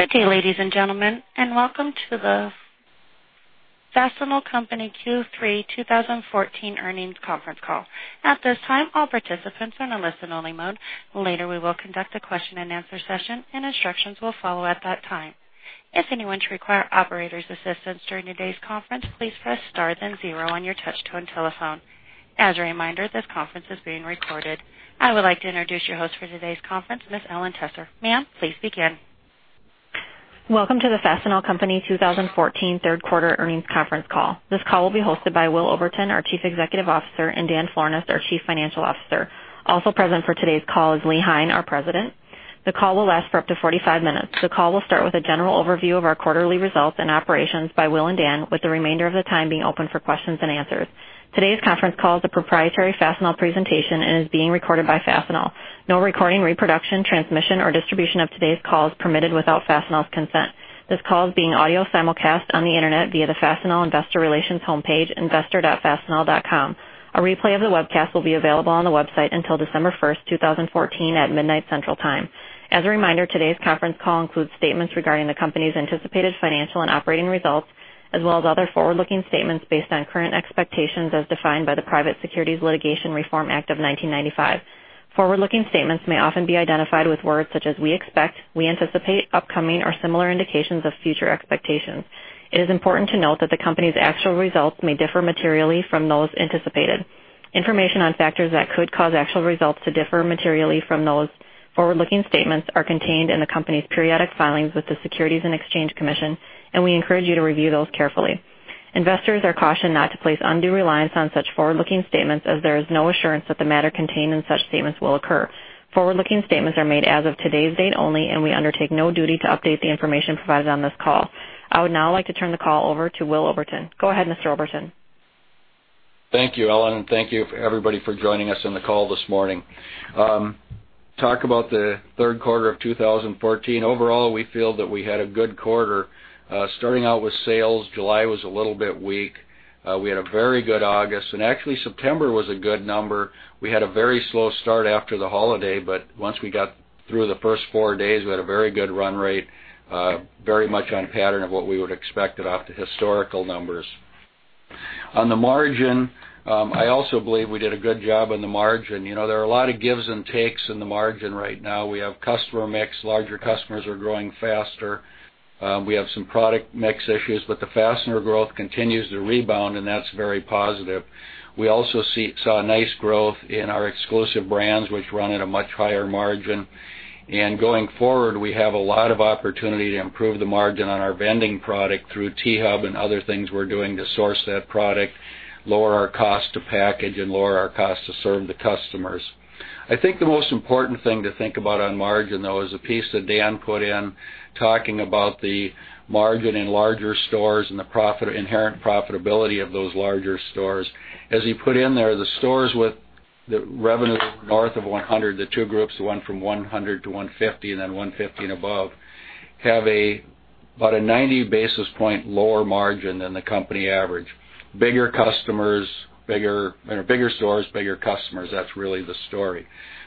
Good day, ladies and gentlemen, and welcome to the Fastenal Company Q3 2014 earnings conference call. At this time, all participants are in a listen-only mode. Later, we will conduct a question-and-answer session, and instructions will follow at that time. If anyone requires the operator's assistance during today's conference, please press star then zero on your touch-tone telephone. As a reminder, this conference is being recorded. I would like to introduce your host for today's conference, Ms. Ellen Trester. Ma'am, please begin. Welcome to the Fastenal Company 2014 third quarter earnings conference call. This call will be hosted by Willard Oberton, our Chief Executive Officer, and Daniel Florness, our Chief Financial Officer. Also present for today's call is Leland Hein, our President. The call will last for up to 45 minutes. The call will start with a general overview of our quarterly results and operations by Will and Dan, with the remainder of the time being open for questions and answers. Today's conference call is a proprietary Fastenal presentation and is being recorded by Fastenal. No recording, reproduction, transmission, or distribution of today's call is permitted without Fastenal's consent. This call is being audio simulcast on the Internet via the Fastenal Investor Relations homepage, investor.fastenal.com. A replay of the webcast will be available on the website until December 1st, 2014, at midnight Central Time. As a reminder, today's conference call includes statements regarding the company's anticipated financial and operating results, as well as other forward-looking statements based on current expectations as defined by the Private Securities Litigation Reform Act of 1995. Forward-looking statements may often be identified with words such as "we expect," "we anticipate," "upcoming," or similar indications of future expectations. It is important to note that the company's actual results may differ materially from those anticipated. Information on factors that could cause actual results to differ materially from those forward-looking statements are contained in the company's periodic filings with the Securities and Exchange Commission, and we encourage you to review those carefully. Investors are cautioned not to place undue reliance on such forward-looking statements, as there is no assurance that the matter contained in such statements will occur. Forward-looking statements are made as of today's date only, and we undertake no duty to update the information provided on this call. I would now like to turn the call over to Willard Oberton. Go ahead, Mr. Oberton. Thank you, Ellen, and thank you, everybody, for joining us on the call this morning. Talk about the third quarter of 2014. Overall, we feel that we had a good quarter. Starting out with sales, July was a little bit weak. Actually, September was a good number. We had a very slow start after the holiday. Once we got through the first four days, we had a very good run rate, very much on pattern of what we would expect off the historical numbers. On the margin, I also believe we did a good job on the margin. There are a lot of gives and takes in the margin right now. We have customer mix. Larger customers are growing faster. We have some product mix issues. The fastener growth continues to rebound, and that's very positive. We also saw nice growth in our exclusive brands, which run at a much higher margin. Going forward, we have a lot of opportunity to improve the margin on our vending product through T-HUB and other things we're doing to source that product, lower our cost to package, and lower our cost to serve the customers. I think the most important thing to think about on margin, though, is a piece that Dan put in talking about the margin in larger stores and the inherent profitability of those larger stores. As he put in there, the stores with the revenues north of 100, the two groups, the one from 100 to 150, and then 150 and above, have about a 90-basis-point lower margin than the company average. Bigger stores, bigger customers. That's really the story.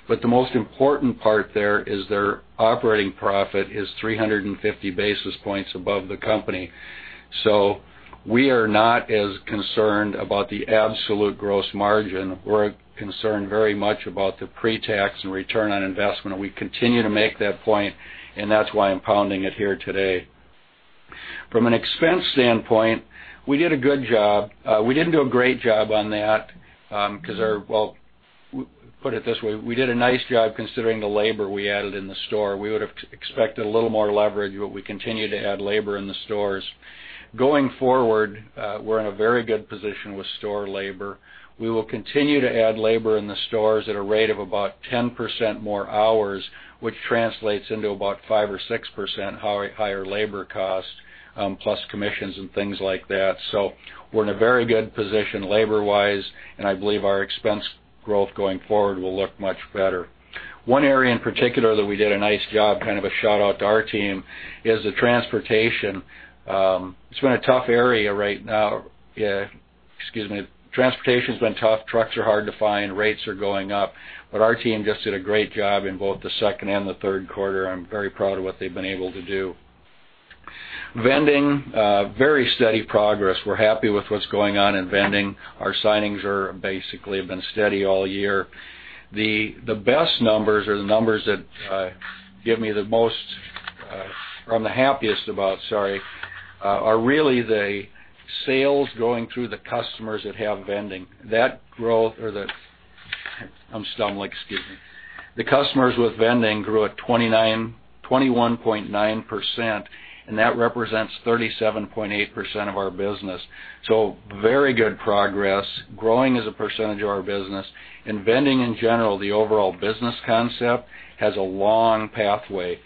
The most important part there is their operating profit is 350 basis points above the company. We are not as concerned about the absolute gross margin. We're concerned very much about the pre-tax and return on investment, and we continue to make that point, and that's why I'm pounding it here today. From an expense standpoint, we did a good job. We didn't do a great job on that because, put it this way. We did a nice job considering the labor we added in the store. We would have expected a little more leverage. We continue to add labor in the stores. Going forward, we're in a very good position with store labor. We will continue to add labor in the stores at a rate of about 10% more hours, which translates into about 5% or 6% higher labor cost, plus commissions and things like that. We're in a very good position labor-wise, and I believe our expense growth going forward will look much better. One area in particular that we did a nice job, kind of a shout-out to our team, is the transportation. It's been a tough area right now. Excuse me. Transportation's been tough. Trucks are hard to find. Rates are going up. Our team just did a great job in both the second and the third quarter. I'm very proud of what they've been able to do. Vending, very steady progress. We're happy with what's going on in vending. Our signings have basically been steady all year. The best numbers, or the numbers that give me the most, or I'm the happiest about, sorry, are really the sales going through the customers that have vending. I'm stumbling. Excuse me. The customers with vending grew at 21.9%, and that represents 37.8% of our business. Very good progress. Growing as a percentage of our business and vending in general, the overall business concept has a long pathway.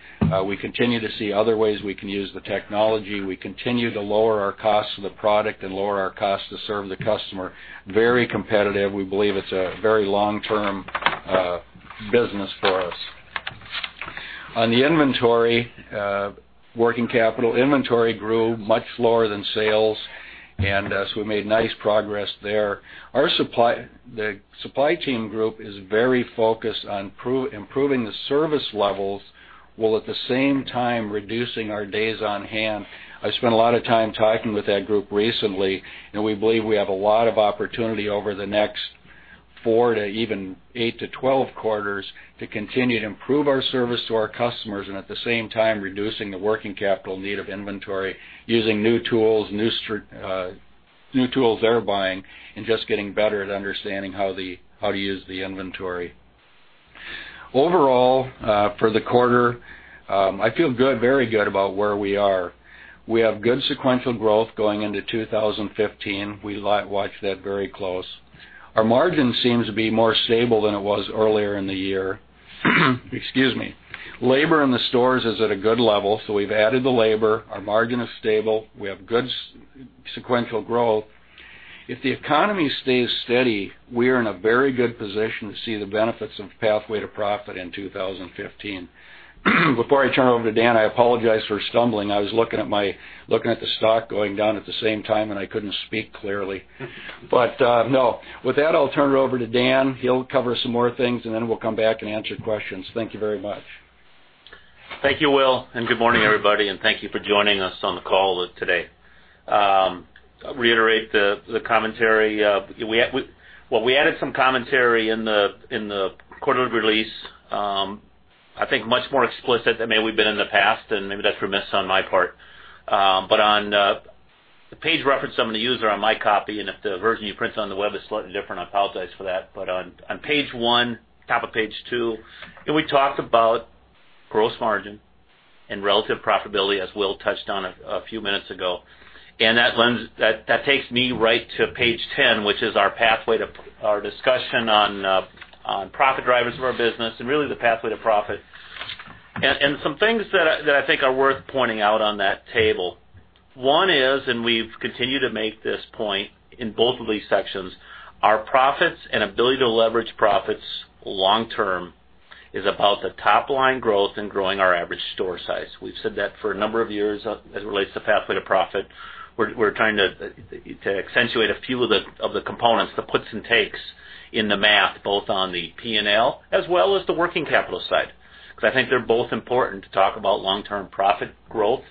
We continue to see other ways we can use the technology. We continue to lower our cost of the product and lower our cost to serve the customer. Very competitive. We believe it's a very long-term business for us. On the inventory, working capital inventory grew much lower than sales. We made nice progress there. The supply chain group is very focused on improving the service levels, while at the same time reducing our days on hand. I spent a lot of time talking with that group recently, and we believe we have a lot of opportunity over the next 4 to even 8 to 12 quarters to continue to improve our service to our customers, and at the same time, reducing the working capital need of inventory, using new tools they're buying and just getting better at understanding how to use the inventory. Overall, for the quarter, I feel very good about where we are. We have good sequential growth going into 2015. We watch that very close. Our margin seems to be more stable than it was earlier in the year. Excuse me. Labor in the stores is at a good level. We've added the labor. Our margin is stable. We have good sequential growth. If the economy stays steady, we are in a very good position to see the benefits of Pathway to Profit in 2015. Before I turn it over to Dan, I apologize for stumbling. I was looking at the stock going down at the same time, and I couldn't speak clearly. No. With that, I'll turn it over to Dan. He'll cover some more things. We'll come back and answer questions. Thank you very much. Thank you, Will. Good morning, everybody, and thank you for joining us on the call today. Reiterate the commentary. We added some commentary in the quarterly release, I think much more explicit than maybe we've been in the past. Maybe that's remiss on my part. On the page reference I'm going to use are on my copy. If the version you print on the web is slightly different, I apologize for that. On Page one, top of Page two, we talked about gross margin and relative profitability, as Will touched on a few minutes ago. That takes me right to Page 10, which is our discussion on profit drivers of our business and really the Pathway to Profit. Some things that I think are worth pointing out on that table. One is, we've continued to make this point in both of these sections, our profits and ability to leverage profits long term is about the top-line growth and growing our average store size. We've said that for a number of years as it relates to Pathway to Profit. We're trying to accentuate a few of the components, the puts and takes in the math, both on the P&L as well as the working capital side. I think they're both important to talk about long-term profit growth,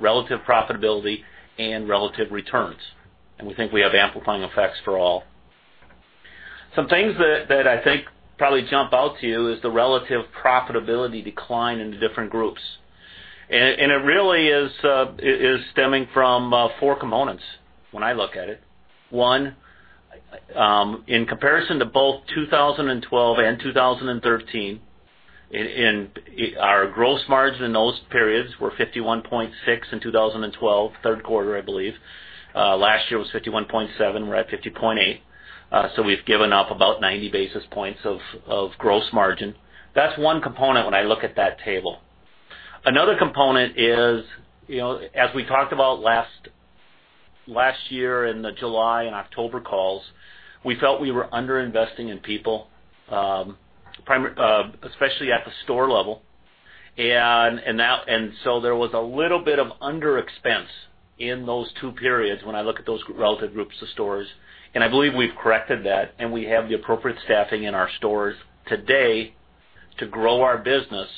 relative profitability, and relative returns. We think we have amplifying effects for all. Some things that I think probably jump out to you is the relative profitability decline in the different groups. It really is stemming from four components when I look at it. One, in comparison to both 2012 and 2013, our gross margin in those periods were 51.6% in 2012, third quarter, I believe. Last year was 51.7%. We're at 50.8%. We've given up about 90 basis points of gross margin. That's one component when I look at that table. Another component is, as we talked about last year in the July and October calls, we felt we were under-investing in people, especially at the store level. There was a little bit of under expense in those two periods when I look at those relative groups of stores, and I believe we've corrected that, and we have the appropriate staffing in our stores today to grow our business.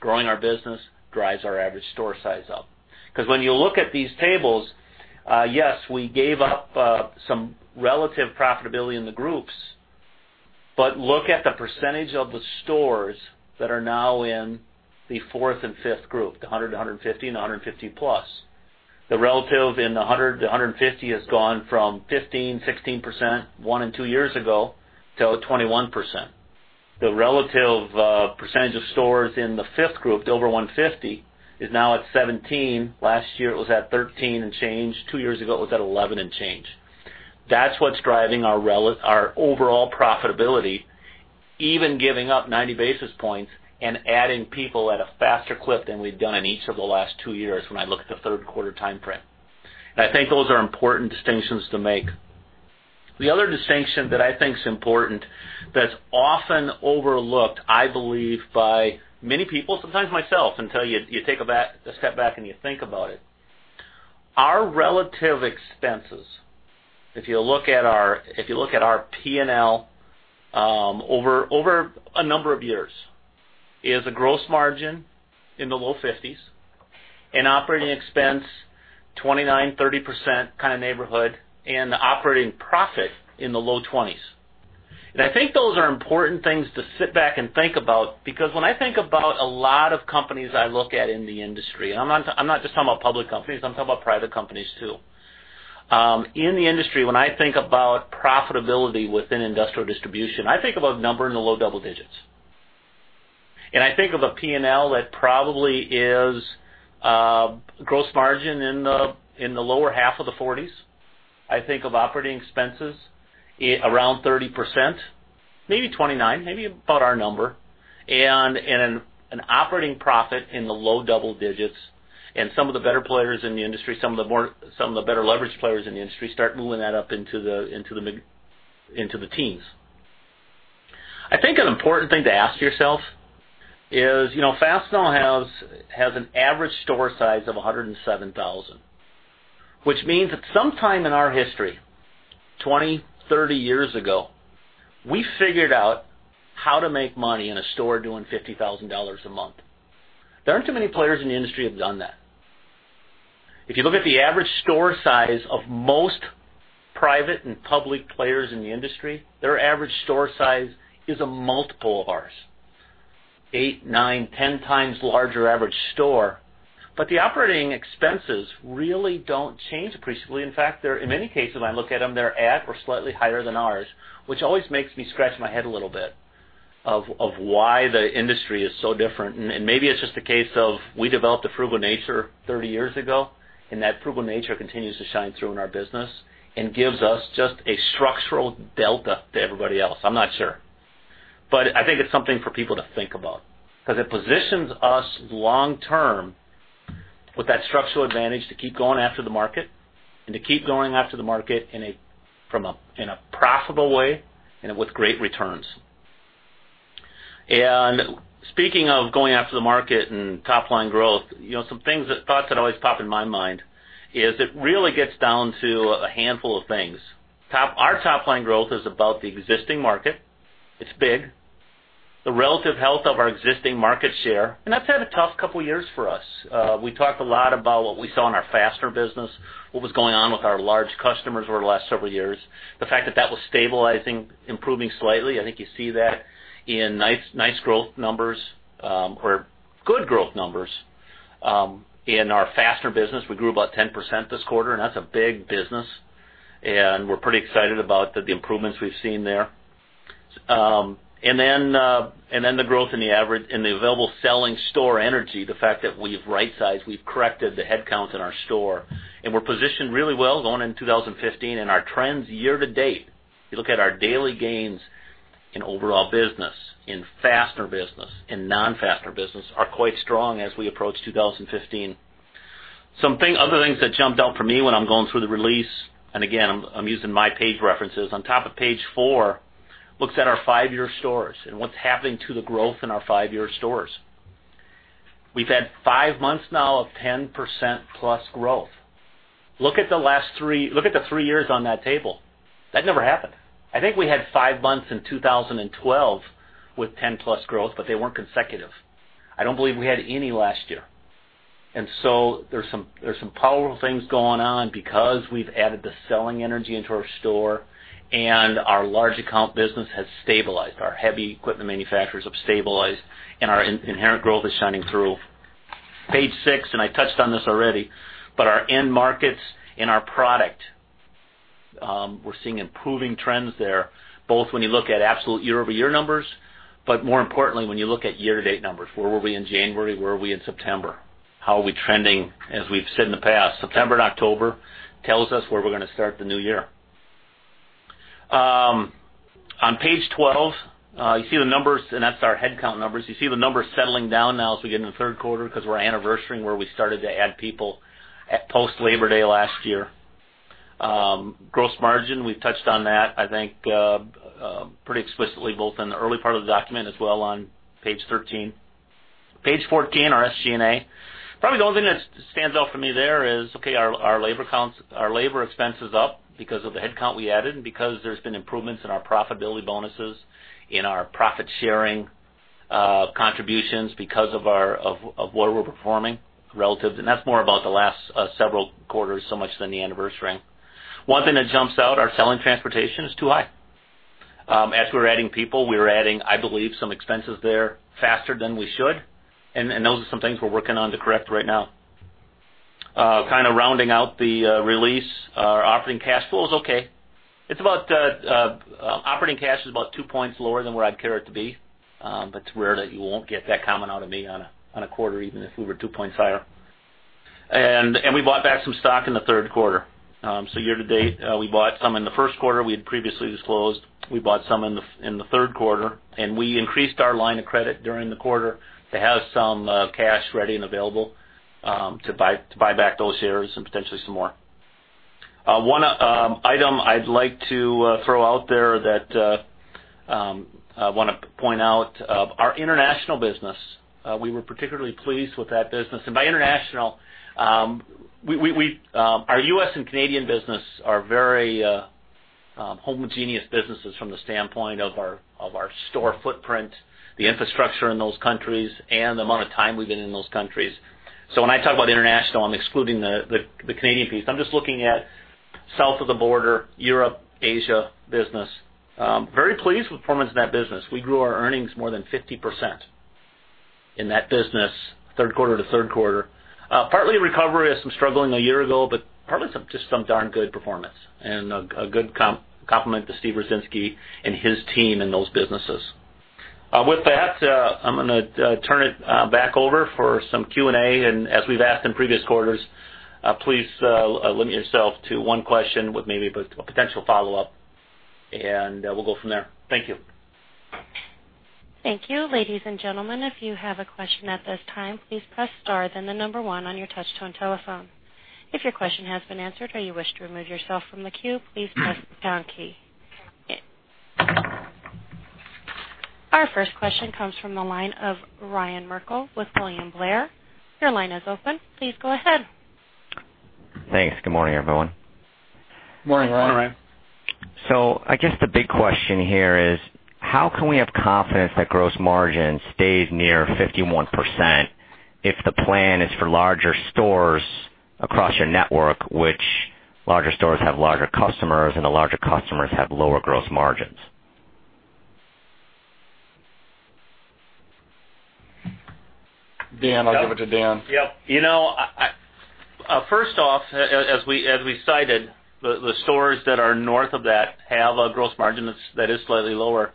Growing our business drives our average store size up. When you look at these tables, yes, we gave up some relative profitability in the groups, but look at the percentage of the stores that are now in the fourth and fifth group, the 100-150 and 150+. The relative in the 100-150 has gone from 15%, 16%, one in two years ago, to 21%. The relative percentage of stores in the fifth group, the over 150, is now at 17%. Last year, it was at 13% and change. Two years ago, it was at 11% and change. That's what's driving our overall profitability, even giving up 90 basis points and adding people at a faster clip than we've done in each of the last two years when I look at the third quarter time frame. I think those are important distinctions to make. The other distinction that I think is important that's often overlooked, I believe, by many people, sometimes myself, until you take a step back and you think about it. Our relative expenses, if you look at our P&L over a number of years, is a gross margin in the low 50s, an operating expense, 29%, 30% kind of neighborhood, and the operating profit in the low 20s. I think those are important things to sit back and think about because when I think about a lot of companies I look at in the industry, I'm not just talking about public companies, I'm talking about private companies, too. In the industry, when I think about profitability within industrial distribution, I think about a number in the low double digits. I think of a P&L that probably is gross margin in the lower half of the 40s. I think of operating expenses around 30%, maybe 29%, maybe about our number, and an operating profit in the low double digits. Some of the better players in the industry, some of the better-leveraged players in the industry, start moving that up into the teens. I think an important thing to ask yourself is, Fastenal has an average store size of 107,000, which means that sometime in our history, 20, 30 years ago, we figured out how to make money in a store doing $50,000 a month. There aren't too many players in the industry who have done that. If you look at the average store size of most private and public players in the industry, their average store size is a multiple of ours. Eight, nine, 10 times larger average store. The operating expenses really don't change appreciably. In fact, in many cases, I look at them, they're at or slightly higher than ours, which always makes me scratch my head a little bit of why the industry is so different. Maybe it's just a case of, we developed a frugal nature 30 years ago, and that frugal nature continues to shine through in our business and gives us just a structural delta to everybody else. I'm not sure. I think it's something for people to think about, because it positions us long-term with that structural advantage to keep going after the market and to keep going after the market in a profitable way and with great returns. Speaking of going after the market and top-line growth, some thoughts that always pop in my mind is it really gets down to a handful of things. Our top-line growth is about the existing market. It's big. The relative health of our existing market share. That's had a tough couple of years for us. We talked a lot about what we saw in our fasteners business, what was going on with our large customers over the last several years. The fact that that was stabilizing, improving slightly. I think you see that in nice growth numbers or good growth numbers in our fasteners business. We grew about 10% this quarter, and that's a big business. We're pretty excited about the improvements we've seen there. Then the growth in the average in the available selling store energy, the fact that we've right-sized, we've corrected the headcounts in our store, and we're positioned really well going into 2015 and our trends year-to-date. You look at our daily gains in overall business, in fasteners business, in non-fasteners business, are quite strong as we approach 2015. Other things that jumped out for me when I'm going through the release, and again, I'm using my page references. On top of page four, looks at our five-year stores and what's happening to the growth in our five-year stores. We've had five months now of 10% plus growth. Look at the three years on that table. That never happened. I think we had five months in 2012 with 10-plus growth, but they weren't consecutive. I don't believe we had any last year. So there's some powerful things going on because we've added the selling energy into our store and our large account business has stabilized. Our heavy equipment manufacturers have stabilized, and our inherent growth is shining through. Page six, and I touched on this already, but our end markets and our product, we're seeing improving trends there, both when you look at absolute year-over-year numbers, but more importantly, when you look at year-to-date numbers. Where were we in January? Where were we in September? How are we trending? As we've said in the past, September and October tells us where we're going to start the new year. On page 12, you see the numbers. That's our headcount numbers. You see the numbers settling down now as we get into the third quarter because we're anniversarying where we started to add people at post Labor Day last year. Gross margin, we've touched on that, I think, pretty explicitly, both in the early part of the document as well on page 13. Page 14, our SG&A. Probably the only thing that stands out for me there is, okay, our labor expense is up because of the headcount we added and because there's been improvements in our profitability bonuses, in our profit-sharing contributions because of where we're performing relative. That's more about the last several quarters so much than the anniversarying. One thing that jumps out, our selling transportation is too high. As we're adding people, we are adding, I believe, some expenses there faster than we should, and those are some things we're working on to correct right now. Kind of rounding out the release. Our operating cash flow is okay. Operating cash is about two points lower than where I'd care it to be. It's rare that you won't get that comment out of me on a quarter, even if we were two points higher. We bought back some stock in the third quarter. Year-to-date, we bought some in the first quarter, we had previously disclosed. We bought some in the third quarter, and we increased our line of credit during the quarter to have some cash ready and available to buy back those shares and potentially some more. One item I'd like to throw out there that I want to point out, our international business. We were particularly pleased with that business. By international, our U.S. and Canadian business are very homogeneous businesses from the standpoint of our store footprint, the infrastructure in those countries, and the amount of time we've been in those countries. When I talk about international, I'm excluding the Canadian piece. I'm just looking at south of the border, Europe, Asia business. Very pleased with the performance of that business. We grew our earnings more than 50% in that business, third quarter to third quarter. Partly a recovery as some struggling a year ago, but partly just some darn good performance and a good compliment to Steve Wiercinski and his team in those businesses. With that, I'm going to turn it back over for some Q&A. As we've asked in previous quarters, please limit yourself to one question with maybe a potential follow-up, and we'll go from there. Thank you. Thank you. Ladies and gentlemen, if you have a question at this time, please press star then the number one on your touch-tone telephone. If your question has been answered or you wish to remove yourself from the queue, please press the pound key. Our first question comes from the line of Ryan Merkel with William Blair. Your line is open. Please go ahead. Thanks. Good morning, everyone. Morning, Ryan. Morning, Ryan. I guess the big question here is how can we have confidence that gross margin stays near 51% if the plan is for larger stores across your network, which larger stores have larger customers and the larger customers have lower gross margins? Dan, I'll give it to Dan. Yep. First off, as we cited, the stores that are north of that have a gross margin that is slightly lower.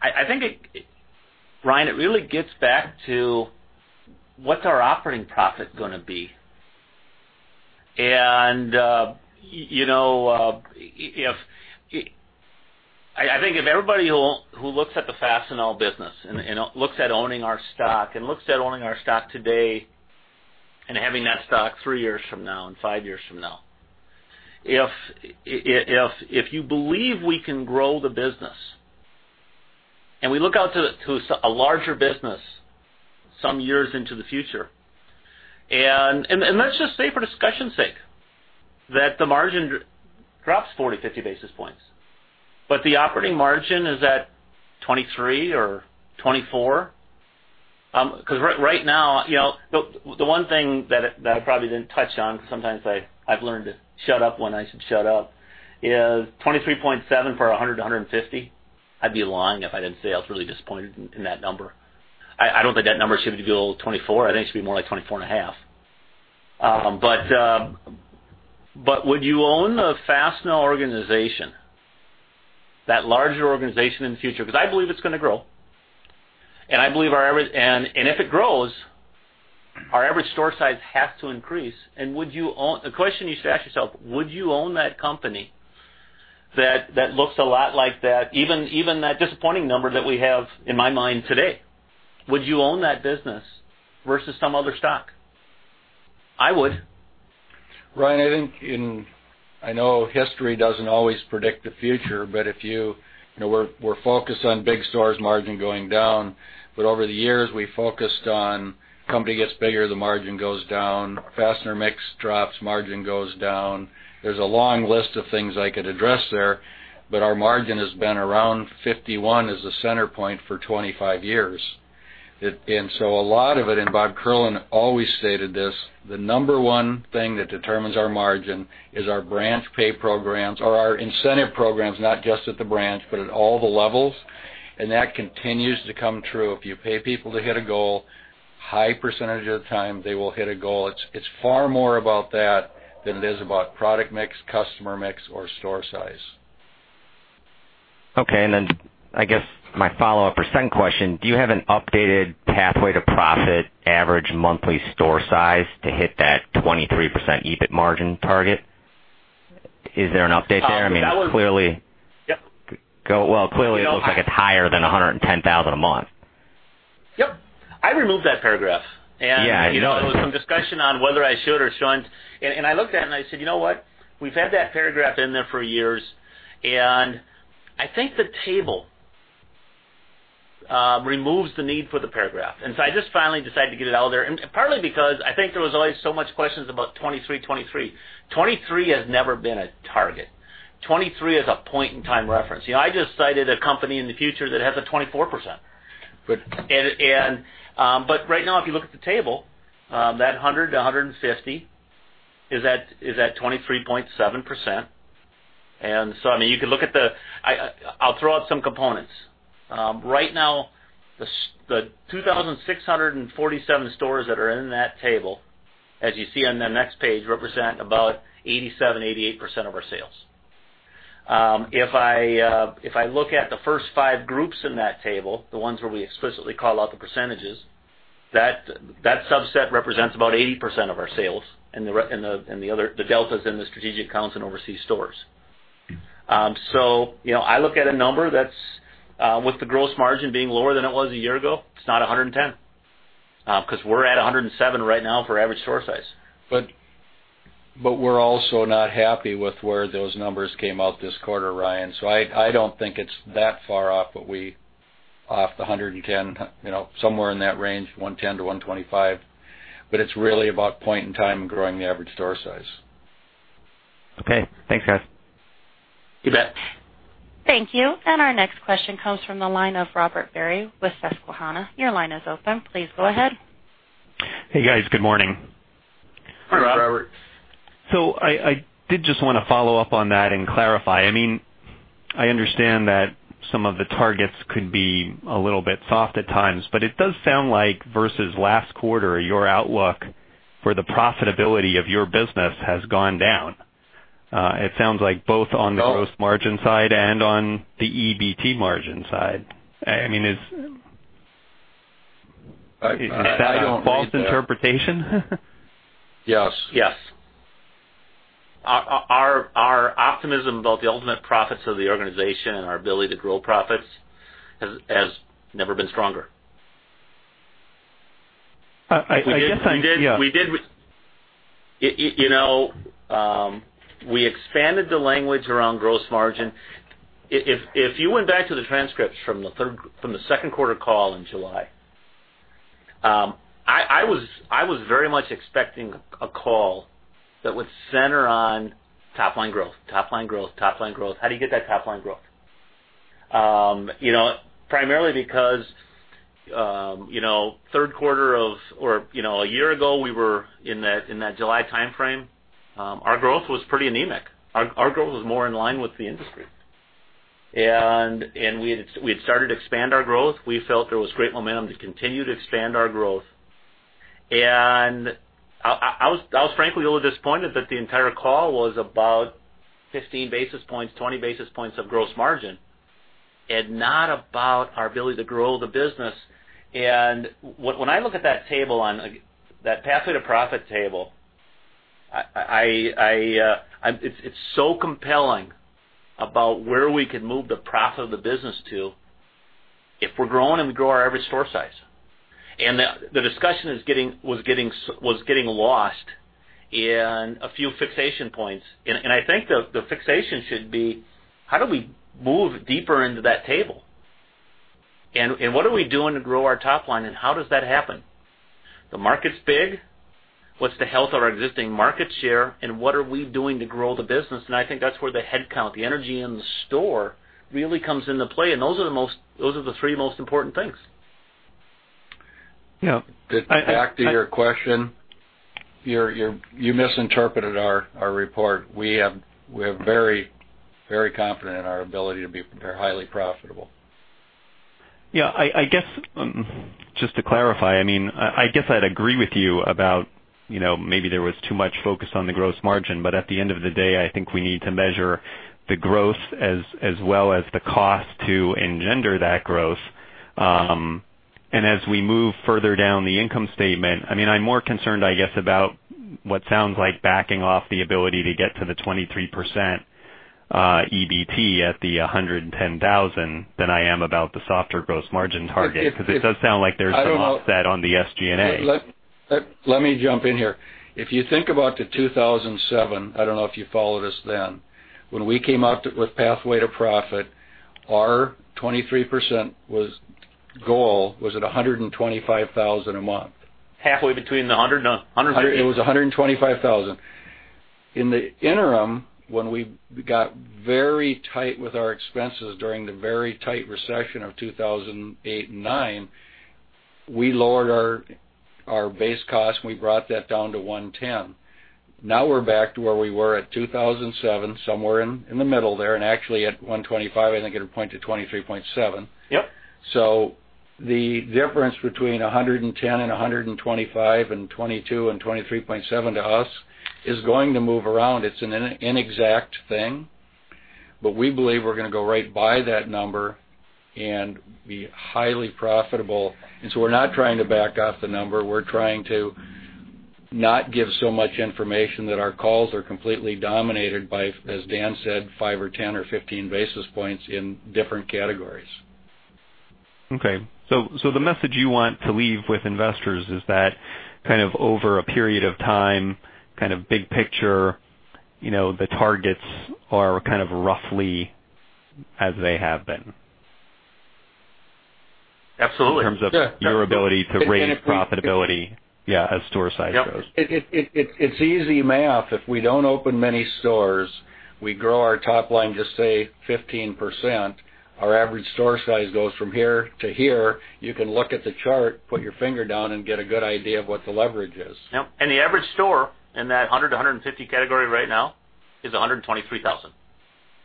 I think, Ryan, it really gets back to what's our operating profit going to be. I think if everybody who looks at the Fastenal business and looks at owning our stock and looks at owning our stock today and having that stock 3 years from now and 5 years from now, if you believe we can grow the business and we look out to a larger business some years into the future, let's just say for discussion's sake that the margin drops 40, 50 basis points, but the operating margin is at 23 or 24. Right now, the one thing that I probably didn't touch on, because sometimes I've learned to shut up when I should shut up, is 23.7 for 100, 150. I'd be lying if I didn't say I was really disappointed in that number. I don't think that number should be below 24. I think it should be more like 24.5. Would you own the Fastenal organization, that larger organization in the future? Because I believe it's going to grow. If it grows, our average store size has to increase. The question you should ask yourself, would you own that company that looks a lot like that, even that disappointing number that we have in my mind today. Would you own that business versus some other stock? I would. Ryan, I know history doesn't always predict the future, we're focused on big stores margin going down. Over the years, we focused on company gets bigger, the margin goes down, fastener mix drops, margin goes down. There's a long list of things I could address there, our margin has been around 51% as the center point for 25 years. A lot of it, and Bob Kierlin always stated this, the number one thing that determines our margin is our branch pay programs or our incentive programs, not just at the branch, but at all the levels, and that continues to come true. If you pay people to hit a goal, high % of the time, they will hit a goal. It's far more about that than it is about product mix, customer mix, or store size. Okay. I guess my follow-up or second question, do you have an updated Pathway to Profit average monthly store size to hit that 23% EBIT margin target? Is there an update there? I mean, that clearly looks like it's higher than $110,000 a month. Yep. I removed that paragraph. Yeah, I know. There was some discussion on whether I should or shouldn't. I looked at it and I said, "You know what? We've had that paragraph in there for years, and I think the table removes the need for the paragraph." I just finally decided to get it out of there. Partly because I think there was always so much questions about 23. 23 has never been a target. 23 is a point-in-time reference. I just cited a company in the future that has a 24%. But right now, if you look at the table, that 100-150 is at 23.7%. I'll throw out some components. Right now, the 2,647 stores that are in that table, as you see on the next page, represent about 87%-88% of our sales. If I look at the first five groups in that table, the ones where we explicitly call out the percentages, that subset represents about 80% of our sales and the delta's in the strategic accounts and overseas stores. I look at a number that's with the gross margin being lower than it was a year ago, it's not 110. Because we're at 107 right now for average store size. We're also not happy with where those numbers came out this quarter, Ryan. I don't think it's that far off, but we off the 110, somewhere in that range, 110-125, but it's really about point in time and growing the average store size. Okay. Thanks, guys. You bet. Thank you. Our next question comes from the line of Robert Barry with Susquehanna. Your line is open. Please go ahead. Hey, guys. Good morning. Hi, Robert. Hi, Robert. I did just want to follow up on that and clarify. I understand that some of the targets could be a little bit soft at times, but it does sound like versus last quarter, your outlook for the profitability of your business has gone down. It sounds like both on the gross margin side and on the EBT margin side. I mean, is that a false interpretation? Yes. Yes. Our optimism about the ultimate profits of the organization and our ability to grow profits has never been stronger. I guess I- We did- Yeah. We expanded the language around gross margin. If you went back to the transcripts from the second quarter call in July, I was very much expecting a call that would center on top line growth. How do you get that top line growth? Primarily because a year ago, we were in that July timeframe, our growth was pretty anemic. Our growth was more in line with the industry. We had started to expand our growth. We felt there was great momentum to continue to expand our growth. I was frankly a little disappointed that the entire call was about 15 basis points, 20 basis points of gross margin, not about our ability to grow the business. When I look at that table, on that Pathway to Profit table, it's so compelling about where we can move the profit of the business to if we're growing and we grow our average store size. The discussion was getting lost in a few fixation points, and I think the fixation should be, how do we move deeper into that table? What are we doing to grow our top line, and how does that happen? The market's big. What's the health of our existing market share, and what are we doing to grow the business? I think that's where the headcount, the energy in the store really comes into play. Those are the three most important things. Yeah. Back to your question. You misinterpreted our report. We are very confident in our ability to be highly profitable. Yeah. Just to clarify, I guess I'd agree with you about maybe there was too much focus on the gross margin, but at the end of the day, I think we need to measure the growth as well as the cost to engender that growth. As we move further down the income statement, I'm more concerned, I guess, about what sounds like backing off the ability to get to the 23% EBT at the $110,000 than I am about the softer gross margin target, because it does sound like there's some offset on the SG&A. Let me jump in here. If you think about the 2007, I don't know if you followed us then, when we came out with Pathway to Profit, our 23% goal was at $125,000 a month. Halfway between the $100 and the- It was 125,000. In the interim, when we got very tight with our expenses during the very tight recession of 2008 and 2009, we lowered our base cost, and we brought that down to 110. Now we're back to where we were at 2007, somewhere in the middle there, and actually at 125, I think it pointed to 23.7. Yep. The difference between 110 and 125 and 22 and 23.7 to us is going to move around. It's an inexact thing. We believe we're going to go right by that number and be highly profitable. We're not trying to back off the number. We're trying to not give so much information that our calls are completely dominated by, as Dan said, five or 10 or 15 basis points in different categories. Okay. The message you want to leave with investors is that kind of over a period of time, kind of big picture, the targets are kind of roughly as they have been. Absolutely. In terms of your ability to raise profitability, yeah, as store size grows. Yep. It's easy math. If we don't open many stores, we grow our top line, just say 15%, our average store size goes from here to here. You can look at the chart, put your finger down and get a good idea of what the leverage is. Yep. The average store in that 100-150 category right now is $123,000.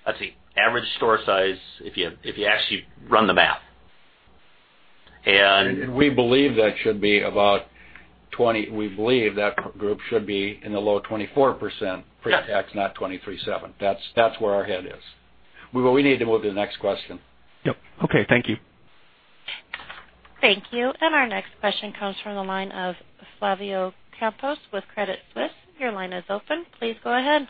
That's the average store size if you actually run the math. We believe that should be about 20%. We believe that group should be in the low 24% pre-tax, not 23.7%. That's where our head is. We need to move to the next question. Yep. Okay. Thank you. Thank you. Our next question comes from the line of Flavio Campos with Credit Suisse. Your line is open. Please go ahead.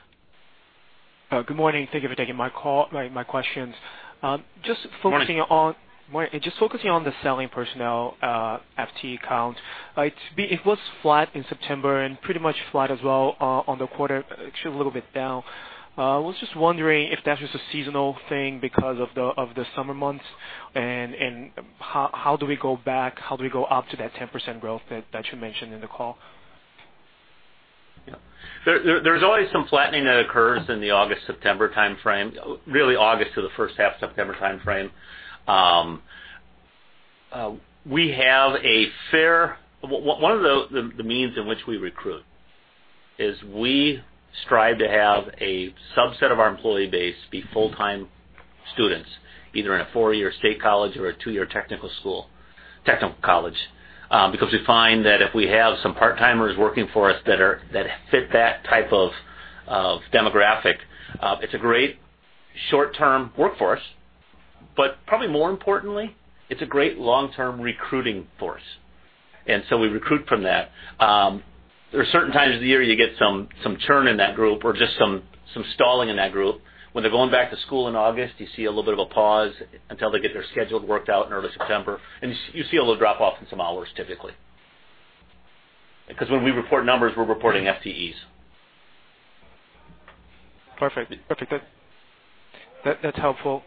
Good morning. Thank you for taking my call. My questions. Morning. Just focusing on the selling personnel, FTE count. It was flat in September and pretty much flat as well on the quarter, actually a little bit down. I was just wondering if that was a seasonal thing because of the summer months, how do we go back, how do we go up to that 10% growth that you mentioned in the call? There's always some flattening that occurs in the August-September timeframe. Really August to the first half September timeframe. One of the means in which we recruit is we strive to have a subset of our employee base be full-time students, either in a four-year state college or a two-year technical college. Because we find that if we have some part-timers working for us that fit that type of demographic. It's a great short-term workforce, but probably more importantly, it's a great long-term recruiting force. We recruit from that. There are certain times of the year you get some churn in that group or just some stalling in that group. When they're going back to school in August, you see a little bit of a pause until they get their schedule worked out in early September, you see a little drop-off in some hours typically. Because when we report numbers, we're reporting FTEs. Perfect. That's helpful.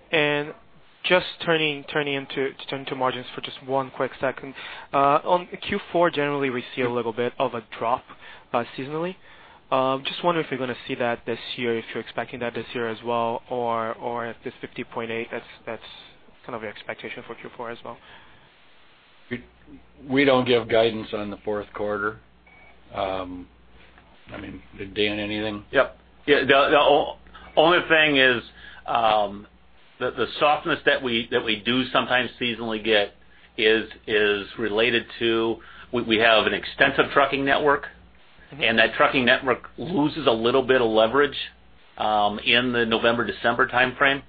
Just turning to margins for just one quick second. On Q4, generally, we see a little bit of a drop, seasonally. Just wonder if you're going to see that this year, if you're expecting that this year as well, or if this 50.8%, that's kind of your expectation for Q4 as well. We don't give guidance on the fourth quarter. Dan, anything? Yep. The only thing is the softness that we do sometimes seasonally get is related to, we have an extensive trucking network, that trucking network loses a little bit of leverage in the November, December timeframe.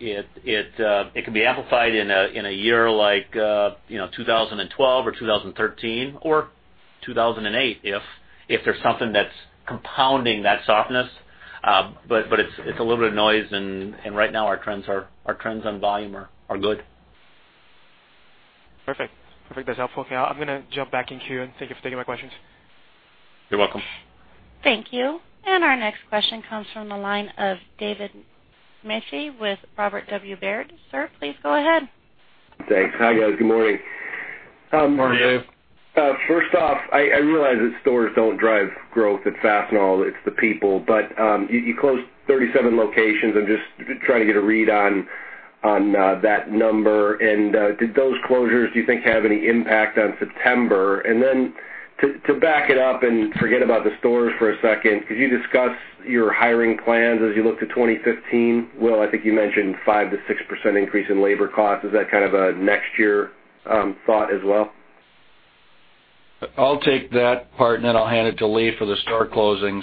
It can be amplified in a year like 2012 or 2013 or 2008 if there's something that's compounding that softness. It's a little bit of noise, right now, our trends on volume are good. Perfect. That's helpful. I'm going to jump back in queue. Thank you for taking my questions. You're welcome. Thank you. Our next question comes from the line of David Manthey with Robert W. Baird. Sir, please go ahead. Thanks. Hi, guys. Good morning. Morning, Dave. First off, I realize that stores don't drive growth at Fastenal, it's the people. You closed 37 locations. I'm just trying to get a read on that number. Did those closures, do you think, have any impact on September? To back it up and forget about the stores for a second, could you discuss your hiring plans as you look to 2015? Will, I think you mentioned 5%-6% increase in labor cost. Is that kind of a next year thought as well? I'll take that part, and then I'll hand it to Lee for the store closings.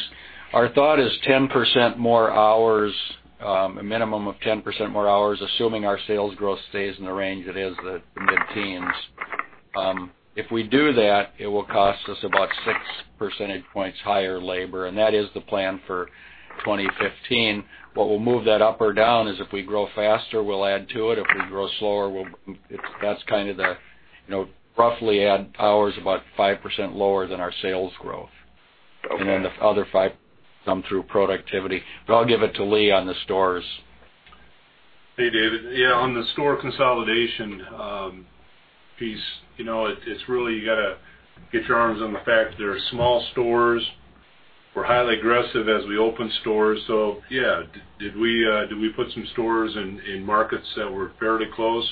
Our thought is 10% more hours, a minimum of 10% more hours, assuming our sales growth stays in the range it is, the mid-teens. If we do that, it will cost us about six percentage points higher labor, and that is the plan for 2015. What will move that up or down is if we grow faster, we'll add to it. If we grow slower, That's kind of the roughly add hours about 5% lower than our sales growth. Okay. The other five come through productivity. I'll give it to Lee on the stores. Hey, David. On the store consolidation piece, it's really, you got to get your arms on the fact that they're small stores. We're highly aggressive as we open stores. Yeah, did we put some stores in markets that were fairly close?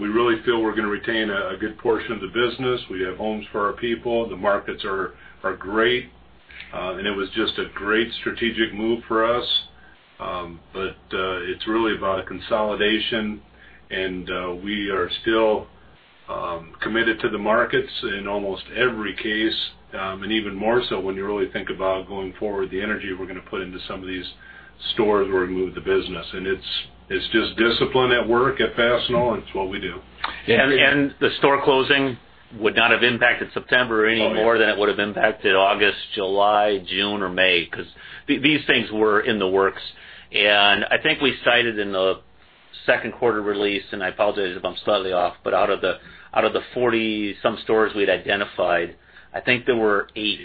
We really feel we're going to retain a good portion of the business. We have homes for our people. The markets are great. It was just a great strategic move for us. It's really about consolidation, and we are still committed to the markets in almost every case, and even more so when you really think about going forward, the energy we're going to put into some of these stores where we moved the business. It's just discipline at work at Fastenal, and it's what we do. The store closing would not have impacted September any more than it would have impacted August, July, June or May, because these things were in the works. I think we cited in the second quarter release, and I apologize if I'm slightly off, but out of the 40 some stores we'd identified, I think there were eight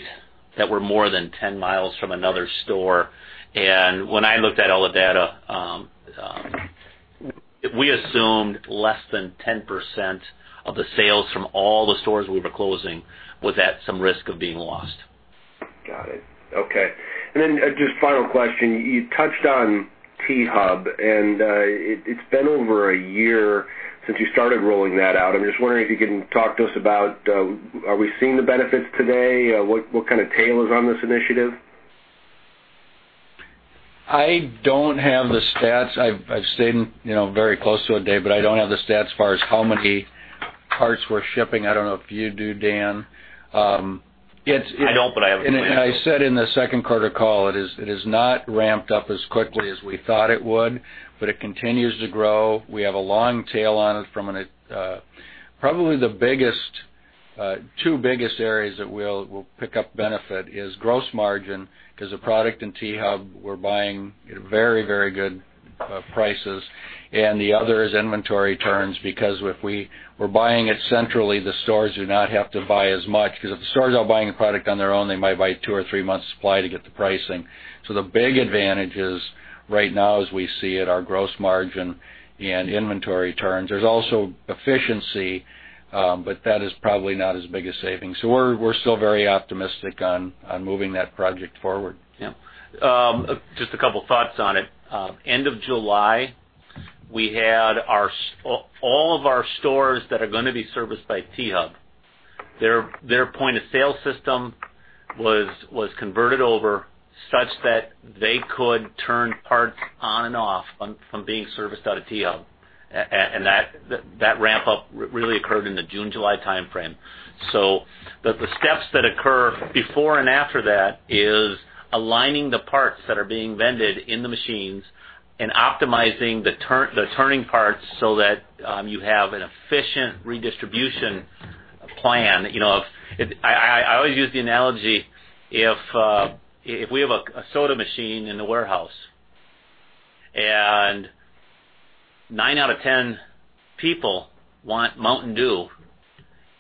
that were more than 10 miles from another store. When I looked at all the data, we assumed less than 10% of the sales from all the stores we were closing was at some risk of being lost. Got it. Okay. Just final question. You touched on T-HUB, and it's been over a year since you started rolling that out. I'm just wondering if you can talk to us about, are we seeing the benefits today? What kind of tail is on this initiative? I don't have the stats. I've stayed very close to it, Dave, but I don't have the stats as far as how many parts we're shipping. I don't know if you do, Dan. I don't, but I have it. I said in the second quarter call, it is not ramped up as quickly as we thought it would, but it continues to grow. We have a long tail on it from an. Probably the two biggest areas that we'll pick up benefit is gross margin, because the product in T-HUB, we're buying at very, very good prices, and the other is inventory turns, because if we're buying it centrally, the stores do not have to buy as much, because if the stores are buying a product on their own, they might buy two or three months supply to get the pricing. The big advantage is right now, as we see it, our gross margin and inventory turns. There's also efficiency, but that is probably not as big a saving. We're still very optimistic on moving that project forward. Yeah. Just a couple thoughts on it. End of July, we had all of our stores that are going to be serviced by T-HUB. Their point-of-sale system was converted over such that they could turn parts on and off from being serviced out of T-HUB. That ramp up really occurred in the June, July timeframe. The steps that occur before and after that is aligning the parts that are being vended in the machines and optimizing the turning parts so that you have an efficient redistribution plan. I always use the analogy, if we have a soda machine in the warehouse and nine out of 10 people want Mountain Dew,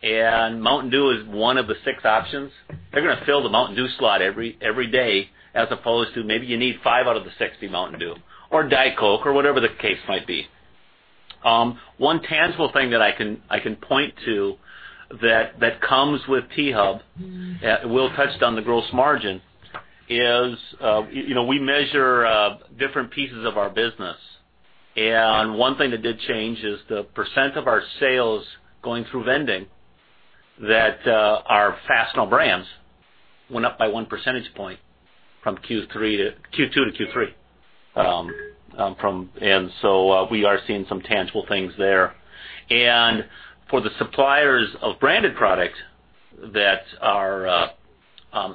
and Mountain Dew is one of the six options, they're going to fill the Mountain Dew slot every day, as opposed to maybe you need five out of the 60 Mountain Dew or Diet Coke or whatever the case might be. One tangible thing that I can point to that comes with T-HUB, Will touched on the gross margin, is we measure different pieces of our business, and one thing that did change is the percent of our sales going through vending that are Fastenal Brands went up by one percentage point from Q2 to Q3. We are seeing some tangible things there. For the suppliers of branded product that are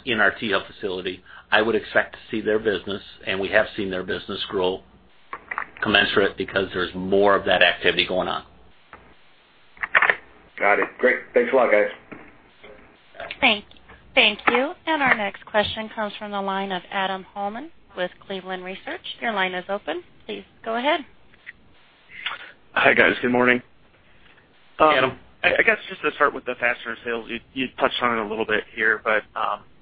in our T-HUB facility, I would expect to see their business, and we have seen their business grow commensurate because there's more of that activity going on. Got it. Great. Thanks a lot, guys. Thank you. Our next question comes from the line of Adam Uhlman with Cleveland Research. Your line is open. Please go ahead. Hi, guys. Good morning. Adam. I guess just to start with the fastener sales, you touched on it a little bit here, but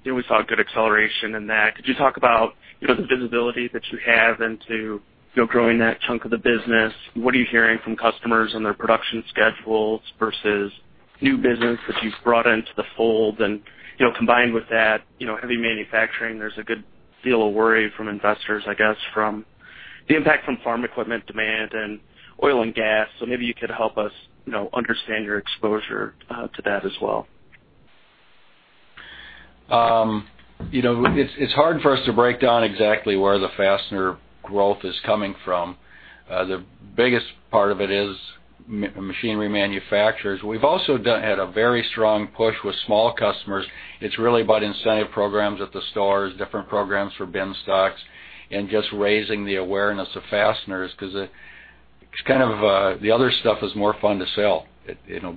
we saw good acceleration in that. Could you talk about the visibility that you have into growing that chunk of the business? What are you hearing from customers on their production schedules versus new business that you've brought into the fold? Combined with that, heavy manufacturing, there's a good deal of worry from investors, I guess, from the impact from farm equipment demand and oil and gas. Maybe you could help us understand your exposure to that as well. It's hard for us to break down exactly where the fastener growth is coming from. The biggest part of it is machinery manufacturers. We've also had a very strong push with small customers. It's really about incentive programs at the stores, different programs for bin stocks, and just raising the awareness of fasteners, because the other stuff is more fun to sell.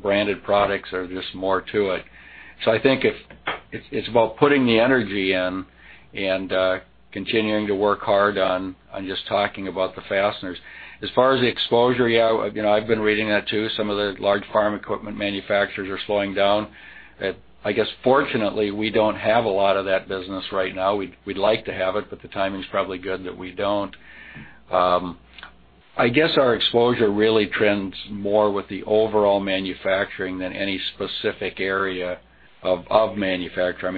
Branded products are just more to it. I think it's about putting the energy in and continuing to work hard on just talking about the fasteners. As far as the exposure, yeah, I've been reading that, too. Some of the large farm equipment manufacturers are slowing down. I guess, fortunately, we don't have a lot of that business right now. We'd like to have it, but the timing's probably good that we don't. I guess our exposure really trends more with the overall manufacturing than any specific area of manufacture.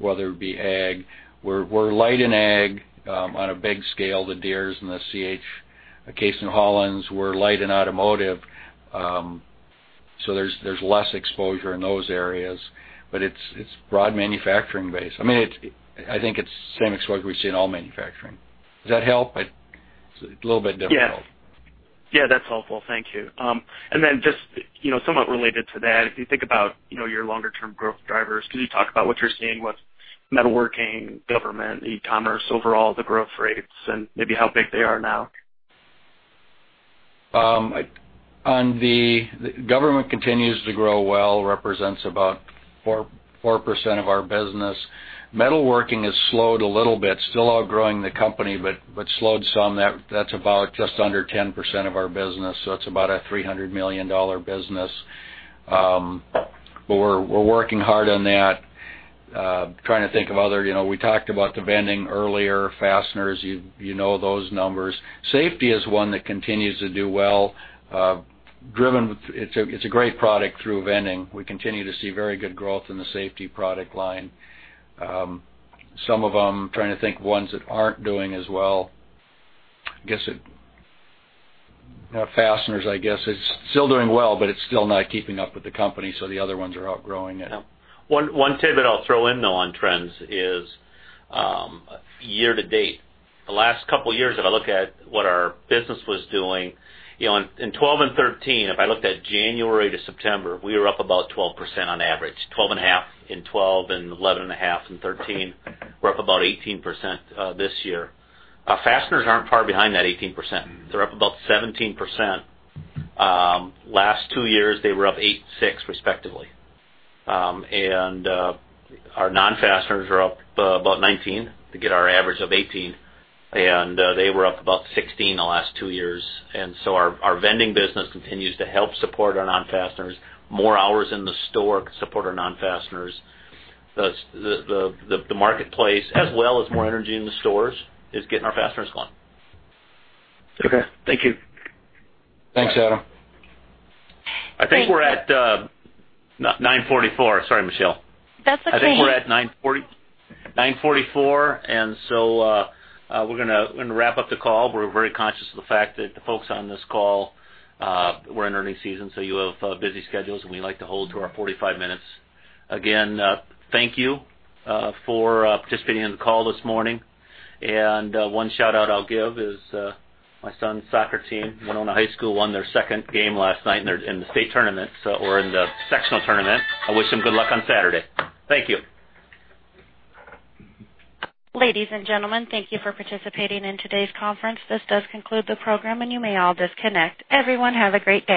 Whether it be ag, we're light in ag on a big scale, the Deeres and the Case IH and New Holland. We're light in automotive, so there's less exposure in those areas. It's broad manufacturing base. I think it's the same exposure we see in all manufacturing. Does that help? It's a little bit difficult. Yeah. That's helpful. Thank you. Then just somewhat related to that, if you think about your longer term growth drivers, could you talk about what you're seeing with metalworking, government, e-commerce, overall, the growth rates and maybe how big they are now? Government continues to grow well, represents about 4% of our business. Metalworking has slowed a little bit, still outgrowing the company, but slowed some. That's about just under 10% of our business, so it's about a $300 million business. We're working hard on that, trying to think of We talked about the vending earlier, fasteners, you know those numbers. Safety is one that continues to do well. It's a great product through vending. We continue to see very good growth in the safety product line. Some of them, trying to think ones that aren't doing as well. Fasteners, I guess, is still doing well, but it's still not keeping up with the company, so the other ones are outgrowing it. Yep. One tidbit I'll throw in, though, on trends is year-to-date. The last couple years, if I look at what our business was doing, in 2012 and 2013, if I looked at January to September, we were up about 12% on average. 12.5% in 2012 and 11.5% in 2013. We're up about 18% this year. Fasteners aren't far behind that 18%. They're up about 17%. Last two years, they were up eight and six, respectively. Our non-fasteners are up about 19% to get our average of 18%, and they were up about 16% the last two years. Our vending business continues to help support our non-fasteners. More hours in the store support our non-fasteners. The marketplace, as well as more energy in the stores, is getting our fasteners going. Okay. Thank you. Thanks, Adam. Thank- I think we're at 9:44. Sorry, Michelle. That's okay. I think we're at 9:44. We're going to wrap up the call. We're very conscious of the fact that the folks on this call, we're in earnings season, you have busy schedules, and we like to hold to our 45 minutes. Thank you for participating in the call this morning. One shout-out I'll give is my son's soccer team, Winona High School, won their second game last night in the state tournament, or in the sectional tournament. I wish them good luck on Saturday. Thank you. Ladies and gentlemen, thank you for participating in today's conference. This does conclude the program. You may all disconnect. Everyone, have a great day.